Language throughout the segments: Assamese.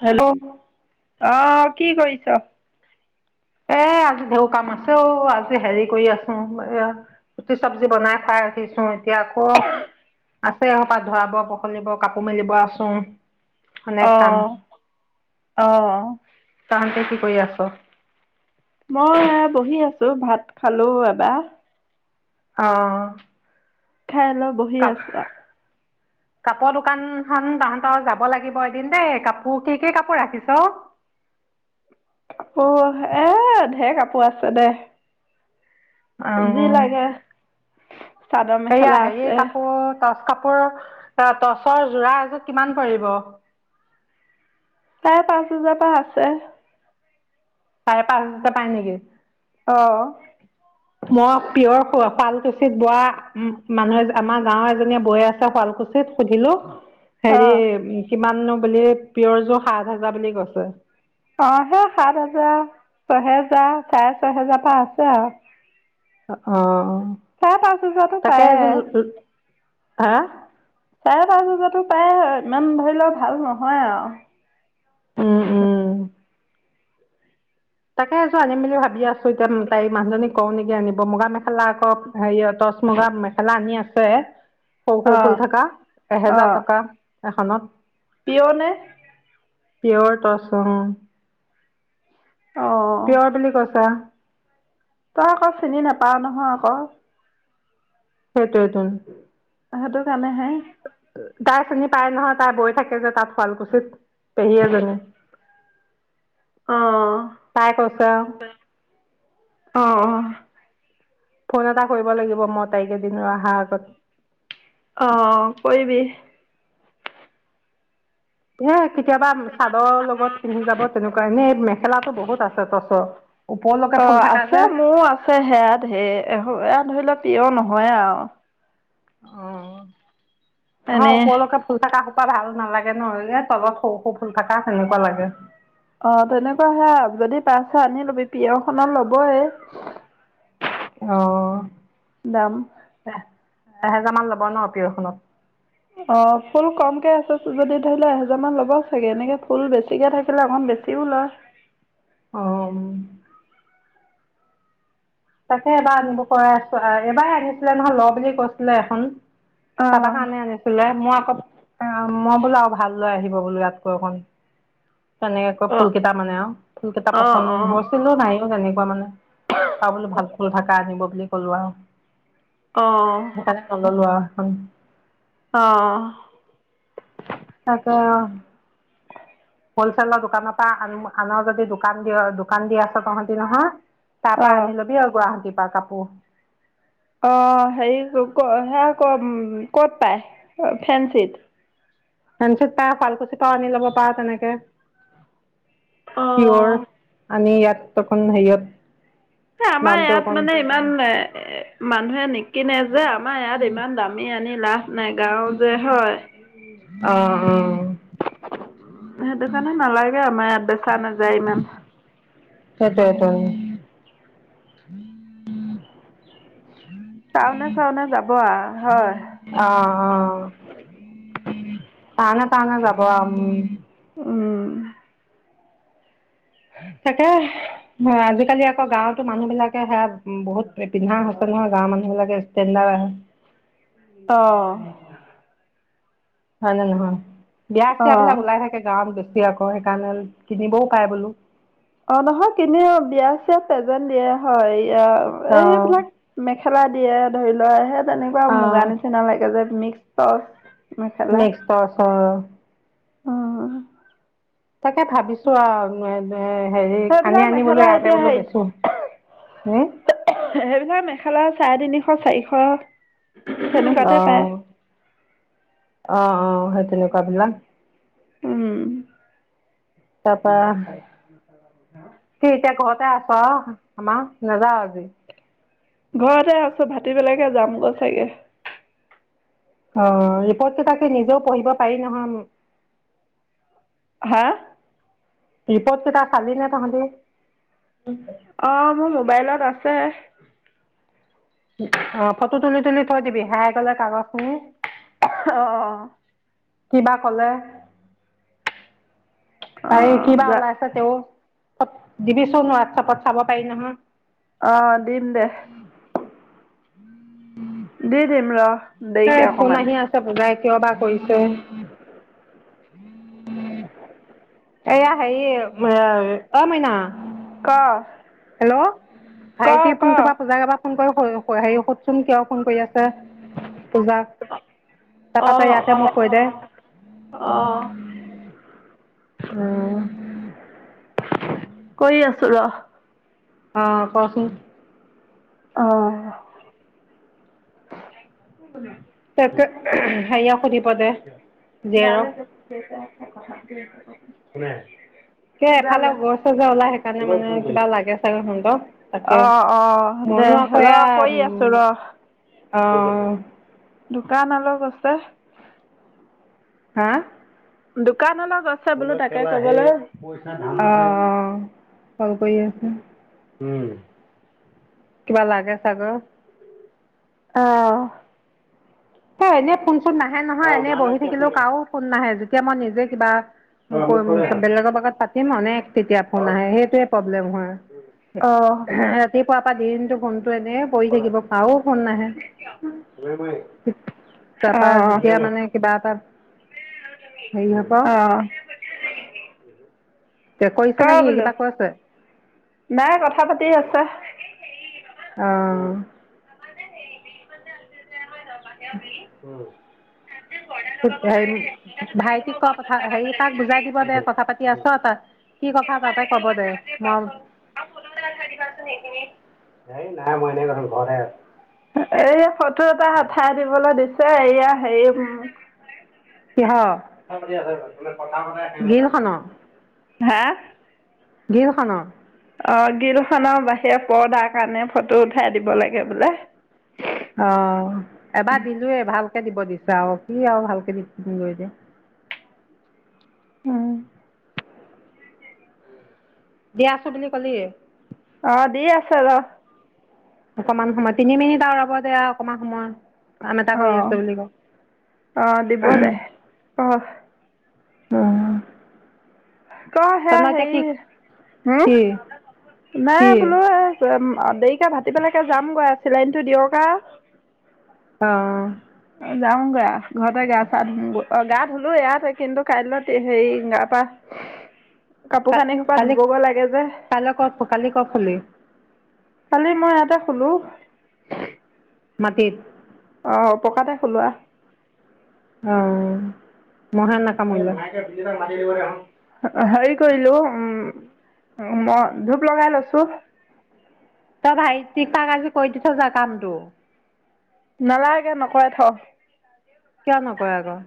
হেল্ল এ ও কি কৰিছ এ আজি ডেও কাম আছে অ আজি হেৰি কৰি আছো। এয়া ৰুটি চব্জি বনাই খাই ৰাখিছো। এতিয়া আকৌ আছেপাত ভৰাব পখলিয়াব কাপোৰ মেলিব আছোঁ মানে কাম অ' অ' তাহতে কি কৰি আছ? মই বহি আছো ভাত খালো এবা অহ খাই অলপ বহি আছো আৱ কাপোৰ দোকানখন তাহ তাহত যাব লাগিব এদিন দেই কাপোৰ কি কি কাপোৰ ৰাখিছ? কাপোৰ এ ঢেৰ কাপোৰ আছে দে অ যি লাগে চাদৰ এইয়া মেখেলা হেৰি আছে কাপোৰ টচ কাপোৰ টচৰ যোৰা এযোৰত কিমান পৰিব? প্ৰায় পাঁচ হাজাৰ পা আছে। চাৰে পাঁচ হেজা পাই নেকি? অঁ। মই প্ৰিয়ৰ শুৱালকুচিত বোৱা উম মানুহে আমাৰ গাঁওৰ এজনীয়ে বৈ আছে শুৱাল কোচিত সুধিলোঁ। অ' হেৰি অ' কিমাননো বুলি প্ৰিয়ৰ জোৰ সাত হোজাৰ বুলি কৈছে। অঁ সেই সাত হেজাৰ, ছহেজাৰ চাৰে, ছয়হেজাৰ পৰা আছে আৰু অঁ চাৰে পাঁচ হাজাৰতো তাকে পায়ে এযোৰ ল হাঁ চাৰে পাঁচ হাজাটো পায় ইমান ধৰি লওঁক ভাল নহয় আওঁ উম উম। তাকে এযোৰ আনিম বুলি ভাবি আছো এতিয়া তাইৰ মানুজনী কওঁ নেকি আনিব মুগা মেখেলা আকৌ হেৰি হট মুগা মেখেলা আনি আছে। সৰু সৰু ফুল অ' থকা এহেজাৰ টকা এখনত পিয়নে প্ৰিয়ত টচ অঁ। অঁ প্ৰিয়ৰ বুলি কৈছা। তই আকৌ চিনি নাপাওঁ নহয় আকৌ। সেইটোৱেটোন। সেইতত কাৰণে সে তাই চিনি পায় নহয় তাই গৈ থাকে যে তাত শুৱালকুছিত, পেহী এজনী। তাই কৈছে আৰু অঁ -অঁ। ফোন এটা কৰিব লাগিব মই তাইক এদিনৰ অহা আগত। অঁ কৰিবি। এ কেতিয়াবা চাদৰ লগত পিন্ধি যাব তেনেকুৱা এনেই মেখেলাটো বহুত আছে টচৰ। ওপৰলৈকে ফুল অঁ থকা আছে যে মোৰ আছে সেয়া ধেৰ, এ এয়া ধৰি লওক প্ৰিয়ৰ নহয় আৰু। অঁ নহয় এনেই ওপৰলৈকে ফুল থকা সোপা ভাল নালাগে নহয়নে তলত সৰু-সৰু ফুল থকা সেনেকোৱা লাগে। অঁ তেনেকুৱা সেয়া যদি, আনি লবি প্ৰিয়ৰ খনৰ ল'বই। [inaudible] অঁ এ দাম এহেজাৰ মান ল'ব ন প্ৰিয়ৰখনত। অঁ ফুল কমকে আছে যদি ধৰি ল এহেজাৰ মান ল'ব চাগে এনেকে ফুল বেছিকে থাকিলে অকণ বেচিও লয়। অঁ। তাকে এবাৰ আনিব পৰাই আছো, এবাৰ আনিছিলে নহয় ল বুলি কৈছিলে এখন। কাৰবাৰ অঁ কাৰণে আনিছিলে, মই আকৌ অঁ মই বোলো আৰু ভাল লৈ আহিব বোলো ইয়াতকৈ অকন। তেনেকে কৈ ফুল অঁ কেইটা মানে আৰু ফুল কেইটা পচন্দ হৈছিলো নাইওঁ তেনেকে মানে পাবলৈ ভাল ফুল থাকা আনিব বুলি ক'লো আৰু। অঁ অঁ সেইকাৰণে নল'লো আৰু সেইখন। অঁ। তাকে অঁ। হলছেলৰ দোকানৰ পৰা আন আনৰ যদি দোকান দি -দোকান দি আছে তহতি নহয় তাৰ পৰা অঁ আনি ল'বি আৰু গুৱাহাটীৰ পৰা কাপোৰ। অঁ হেৰি সেয়া ক ক'ত পায়, ফেন্ঞ্চিত। ফেঞ্চিত পাই শুৱালকুছি পাওঁ আনি ল'ব পাৰ তেনেকে। অ পিয়ৰ, আনি ইয়াত তখন হেৰিয়ত এ আমাৰ দামটো ইয়াত অকণ মানে ইমান এ মানুহে নে কিনে যে আমাৰ ইয়াত ইমান দামী আনি লাভ নাই গাঁও যে হয়। অ অ সেইটো কাৰণে নালাগে আমাৰ ইয়াত। চোৱা নাযায় ইমান। সেইটোৱেটো। টাউনে-চাওনে যাব আৰু হয়। অঁ তাউনে তাওনে যাব আৰু উম্। উম। তাকে আজিকালি আকৌ গাঁৱতো মানুহ বিলাক এ সেয়া উম বহুত পিন্ধা হৈছে নহয় গাঁৱৰ মানুহ বিলাকে ষ্টেণ্ডাৰ অঁ হয় নে নহয়, বিয়া চিয়াবিলাক অ ওলাই থাকে গাঁৱত [unintelligible] আকৌ সেইকাৰণে কিনিবও পাই বোলো। অঁ নহয় কিনেও, বিয়া চিয়াত পেযেণ্ট দিয়ে হয়। এতিয়া অ এইবিলাক মেখেলা দিয়ে ধৰি লোৱা সে তেনেকুৱা অ মুগা নিচিনা লাগে যে। মিক্স মিক্স টচৰ। অঁ তাকে ভাবিছো আৰু এ হেৰি সেইবিলাক আনি- আনি বোলো মেখেলা ইয়াতে এতিয়া বোলো হেৰি বেচো। হম সেইবিলাক মেখেলা চাৰে তিনি শ চাৰিশ তেনেকুৱাতে পায়। অঁ-অঁ সেই তেনেকুৱা বিলাক। উম! তাৰপৰা [inaudible] তাতে আছ আমাৰ নাযাৱ আজি? ঘৰতে আছো ভাতিবেলাকে যাম গৈ চাগে। অ ৰিপৰ্টটো তাকে নিজেও পঢ়িব পাৰি নহয় [unintelligible] হা! ৰিপৰ্টকেইটা চালি নে তহঁতি? অ মোৰ মোবাইলত আছে। অ ফটো তুলি-তুলি থৈ দিবি হেৰাই গলে কাগজখিনি। [unintelligible] আহ কিবা কলে, অ এই কিবা যা ওলাই আছে তেওঁৰ? [unintelligible] দিবিচোন হোৱাটছপত চাব পাৰি নহয়। আহ দিম দে। দি দিম ৰ। এ দেৰিকে ফোন অকমান আহি আছে, পুজাই কিয় বা কৰিছে? এইয়া হেৰি [unintelligible] অ ম‌ইনা? ক? হেল্ল' ক ভাইটি ক ফোনটোৰ পৰা পূজাক এবাৰ ফোন কৰি [unintelligible] হেৰি সুধচোন কিয় ফোন কৰি আছে? [unintelligible] পূজাক তাৰপ ত‌ই ইয়াতে মোক কৈ দে? অঁ! আহ! [inaudible] কৰি আছো ৰ। আহ কৰচোন? অঁ! [inaudible] তাকে [unintelligible] সেইয়ক সুধিব দে জীয়েৰক। [unintelligible] কোনে? সেই এফালে গৈছে যে ওলাই সেইকাৰণে মানে কিবা লাগে চাগে সিহঁত তাকে। অ' অ' দে ময়ো আকৌ ৰ এয়া কৰি আছো ৰ। অঁ! দোকান অলপ আছে। হা! দোকান অলপ আছে বোলো তাকে কবলৈ আহ! অ! [unintelligible] কৰি আছে উম! কিবা লাগে চাগৈ। আহ! সেই এনে ফোন-চোন নাহে নহয়, এনে বহি থাকিলো কাৰো ফোন নাহে, যেতিয়া মই নিজেই কিবা বেলেগৰ লগত পাতিম, অনেক তেতিয়া ফোন আহে সেইটোৱেই প্ৰব্লেম হয়। অ' [unintelligible] পুৱাৰ পৰা দিনটো ফোনটো এনেই পৰি থাকিব কাৰো ফোন নাহে। তাৰপা যেতিয়া মানে কিবা এটা হেৰি হ'ব আহ! কৰিছে নেকি, কিবা কৈছে? নাই কথা পাতি আছে। অঁ! [inaudible] হেৰি ভাইটিক কোৱা কথা হেৰি তাক বুজাই দিব দে কথা পাতি আছ তই কথা তাতে ক'ব দে মই এই নাই মই এনেই কৈছোঁ ঘৰতে আছোঁ। এই ফটো এটা উঠাই দিবলে দিছে এইয়া হেৰি উম কিহৰ কথা পা আ গ্ৰীলখনৰ হা গিলখনৰ অ গিলখনৰ বাহিৰে পৰ্দাৰ কাৰণে ফটো উঠাই দিব লাগে বোলে। অ এবাৰ দিলোয়ে ভালকে দিব দিচে আউ কি আৰু ভালকে দিম গৈ এতিয়া। [unintelligible] উম দিয়া আছো বুলি কলি। [unintelligible] অকমান সময় তিনি মিনিট আৰু ৰ'ব দে আও অকণমান সময় কাম এটা কৰি অঁ আছো বুলি অঁ দিব দে অঁ উম ক সে সেই হো কি কোনে কি বোলো এই অ দেৰিকে ভাতি পেলেকে যামগৈ চিলাইনটো দিয়ক আও অঁ যাওঁগে আউ গা ঘৰতে গা চা ধ অ গা ধুলো ইয়াতে কিন্তু কাইলৈত হেৰি গা পা কাপোৰ কানি সোপা ধুব কালি গৈ লাগে যে। কাইলৈ কফ কালি কফ হ'লি কালি মই ইয়াতে শুলো। মাটিত অঁ পকাতে শুলো আও। অ মহে নাকামুৰিলে। হেৰি কৰিলো উম। উ মই ধূপ লগাই লৈছো। তই ভাইটি কাক আজি কৰি দিছ যা কামটো। নালাগে নকৰে থ। কিয় নকৰে ক।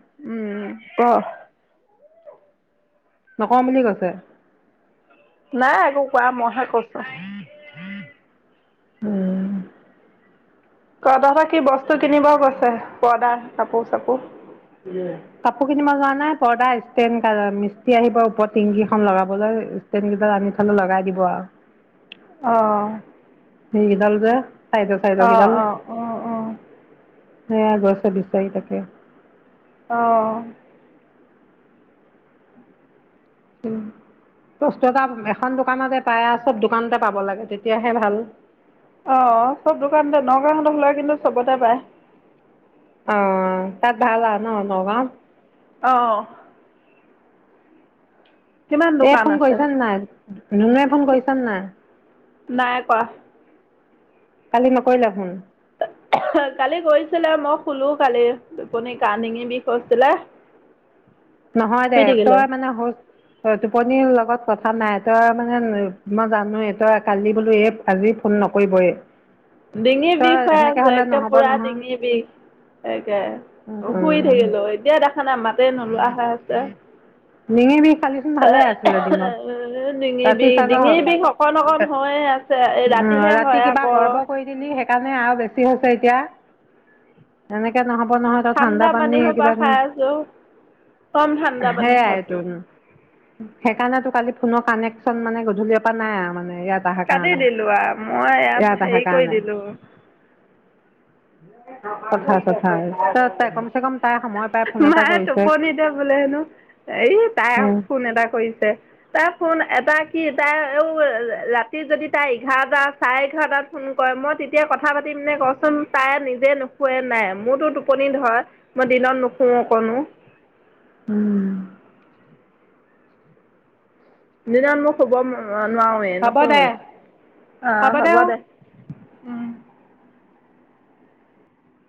কহ নকওঁ বুলি কৈছে। নাই একো কোৱা মইহে কৈছো। উম ক তহতৰ কি বস্তু কিনিব গৈছে পৰ্দাৰ কাপোৰ চাপো কাপোৰ কিনিব যোৱা নাই পৰ্দা ষ্টেণ কা মিস্তি আহিব ওপৰত টিংগিখন লগাবলৈ ষ্টেণ সেইডাল আনি থলো লগাই দিব আউ আহ সেইডাল যে চাইদ চাইদ কিদাল অ অ অ সে গছে বিচাৰি তাকে অঁ হোম বস্তু এটা এখন দোকানতে পায় আৰু চব দোকানতে পাব লাগে তেতিয়াহে ভাল অ চব দোকানতে নগাঁওখনক লই কিন্তু চবতে পায় অ তাত ভাল আউ ন নগাওঁ [unintelligible] কিমান এ দোকান ফোন আছে কৰিছ নে নাই নুনুৱে ফোন কৰিছ নে নাই নাই কৱা কালি নকৰিলা ফোন কালি গৈছিলে মই শুলো কালি টোপনি দিঙি বিষ হৈছিলে অ [unintelligible] নহয় দে তই মানে হুই হয় টোপনি লগ লগত কথা নাই তই মানে মই জানোৱেই তই কালি বোলো এই আজি ফোন নকৰিবয়ে ডিঙিৰ বিষ হয় আছে একে পুৰা নহয় ডিঙিৰ বিষ তাকে শুই থাকিলো এতিয়া দেখা নাই মাতেই নলোৱা হয় আছে মিঙিব কালিচোন ভালে আছিলে দিনত ডিঙি ৰাতি বিষ ডিঙি চাগৰ বিষ অকণ অকণ হৈয়ে আছে এই ৰাতিহে ৰাতি হয় কিবা আকৌ গৰ্ব কৰি সেইকাৰণে আৰু বেছি হৈছে এতিয়া এনেকে নহব নহয় ত ঠাণ্ডা পানী সোপা এগিলাচ খাই আছো কম ঠাণ্ডা পানী খাইছো সেইকাৰণে তো কালি ফোনৰ কানেকচন মানে গধূলিৰ পৰা নাই আৰু মানে ইয়াত আহা কাটি কানে দিলো আৰু মই ইয়াত ইয়াতে আহা হেৰি কৰি কানে চথা ছে তাই কমচে কম তাই সময় পাই ফোন এটা মায়ে কৰিছে টোপনি তে বোলে হেনো এই তাই ফোন এটা কৰিছে তাই ফোন এটা কি তাই আৰু ৰাতি যদি তাই এঘাৰটা চাৰে এঘাৰটাত ফোন কৰে মই তেতিয়া কথা পাতিম নে কচোন তাই নিজে নোখোৱে নাই মোৰতো টোপনি ধৰ মই দিনত নুখোওঁ অকনো উম দিনত মোক হ'ব নোৱাৰৱে হ'ব নুশু দে আহ হ'ব দে উম